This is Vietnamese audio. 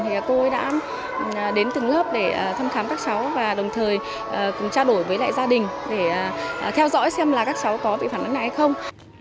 thì cô ấy đã đến từng lớp để thăm khám các cháu và đồng thời cũng trao đổi với lại gia đình để theo dõi xem là các cháu có bị phản án này hay không